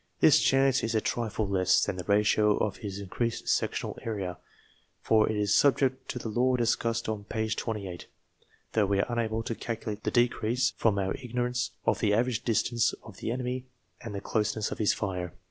This chance is a trifle less than the ratio of his increased sectional area, for it is subject to the law discussed in p. 25, though we are unable to calculate the decrease, from our ignorance of the average distance of the enemy and the closeness of his fire.